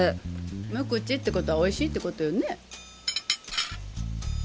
無口ってことはおいしいってことよね？